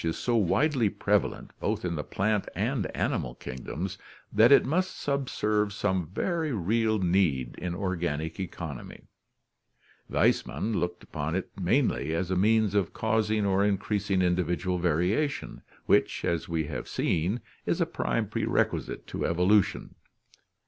mingling) is 200 ORGANIC EVOLUTION so widely prevalent, both in the plant and animal kingdoms, that it must subserve some very real need in organic economy. Weis mann looked upon it mainly as a means of causing or increasing individual variation which, as we have seen, is a prime prerequisite to evolution.